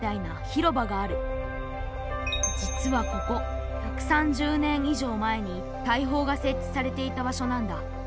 実はここ１３０年以上前に大砲がせっちされていた場所なんだ。